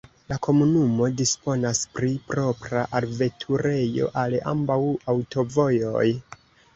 La komunumo disponas pri propra alveturejo al ambaŭ aŭtovojoj.